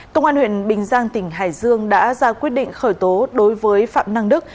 công an huyện bình giang tỉnh hải dương đã ra quyết định khởi tố đối với phạm năng đức